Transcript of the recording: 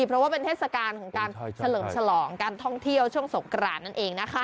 เพราะว่าเป็นเทศกาลของการเฉลิมฉลองการท่องเที่ยวช่วงสงกรานนั่นเองนะคะ